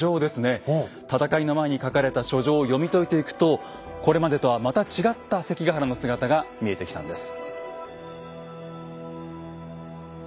戦いの前に書かれた書状を読み解いていくとこれまでとはまた違った関ヶ原の姿が見えてきたんです。